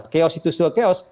chaos itu sebuah chaos